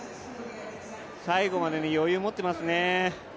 最後まで余裕持ってますね。